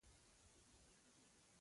پلار او زوی له مسجد نه کور ته راورسېدل.